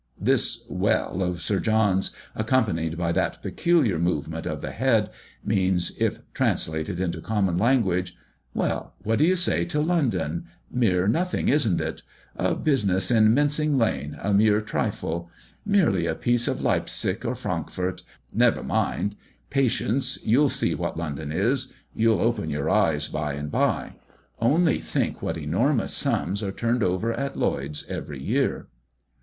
This "Well" of Sir John's, accompanied by that peculiar movement of the head, means, if translated into common language, "Well, what do you say to London? Mere nothing, isn't it? A business in Mincing lane, a mere trifle? merely a piece of Leipsic or Frankfort never mind patience you'll see what London is. You'll open your eyes by and bye! Only think what enormous sums are turned over at Lloyd's every year!"